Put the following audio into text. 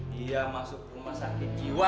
dia masuk rumah sakit jiwa